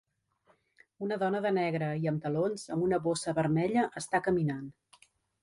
Una dona de negre i amb talons amb una bossa vermella està caminant.